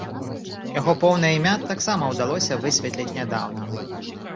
Яго поўнае імя таксама ўдалося высветліць нядаўна.